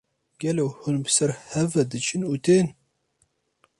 Gelo hûn bi ser hev ve diçin û tên?